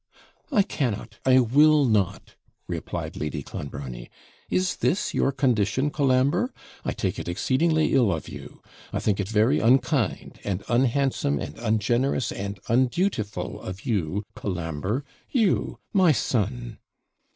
'I cannot I will not,' replied Lady Clonbrony. 'Is this your condition, Colambre? I take it exceedingly ill of you. I think it very unkind, and unhandsome, and ungenerous, and undutiful of you, Colambre; you, my son!'